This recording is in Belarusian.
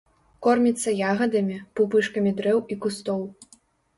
Корміцца ягадамі, пупышкамі дрэў і кустоў.